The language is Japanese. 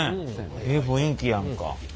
ええ雰囲気やんか。